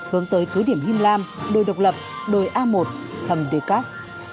hướng tới cứ điểm him lam đồi độc lập đồi a một thầm dekas